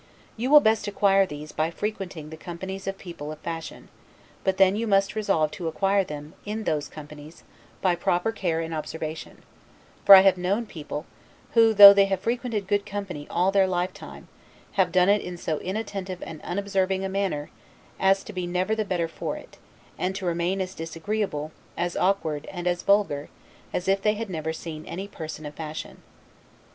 You will best acquire these by frequenting the companies of people of fashion; but then you must resolve to acquire them, in those companies, by proper care and observation; for I have known people, who, though they have frequented good company all their lifetime, have done it in so inattentive and unobserving a manner, as to be never the better for it, and to remain as disagreeable, as awkward, and as vulgar, as if they had never seen any person of fashion.